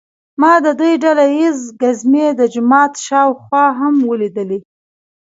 ما د دوی ډله ییزې ګزمې د جومات شاوخوا هم ولیدلې.